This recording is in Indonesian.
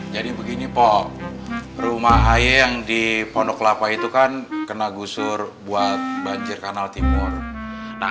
jadi begini pop rumah ayah yang di pondok kelapa itu kan kena gusur buat banjir kanal timur nah